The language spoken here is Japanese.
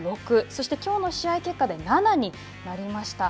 そして、きょうの試合結果で７になりました。